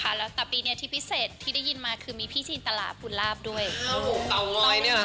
เพิ่มขึ้นนะคะแล้วแต่ปีเนี้ยที่พิเศษที่ได้ยินมาคือมีพี่จีนตลาดปูนลาบด้วยอ้าวตาวน้อยเนี้ยเหรอฮะ